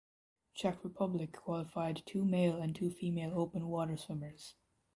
Czech Republic qualified two male and two female open water swimmers.